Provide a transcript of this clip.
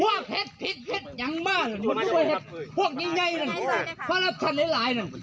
ว่าเผ็ดผิดเผ็ดยังมากมึงไม่เผ็ดพวกยิ่งไยนั่นพระรับธรรมไอ้หลายนั่น